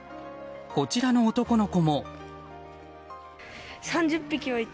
こちらの男の子も。